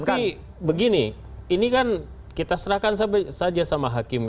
tapi begini ini kan kita serahkan saja sama hakim